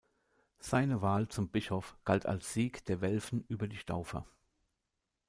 Seine Wahl zum Bischof galt als Sieg der Welfen über die Staufer.